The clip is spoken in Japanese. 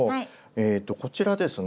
えとこちらですね